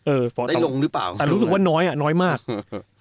เออได้ลงหรือเปล่าแต่รู้สึกว่าน้อยอ่ะน้อยมากฮึฮึฮึ